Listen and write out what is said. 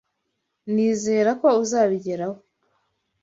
Nizera ko uzabigeraho.